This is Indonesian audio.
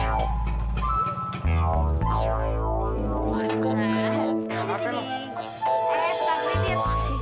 eh ini sih nih ini ada buku kredit